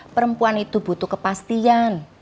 perempuan itu butuh kepastian